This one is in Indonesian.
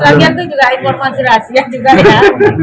latihan itu juga informasi rahasia juga ya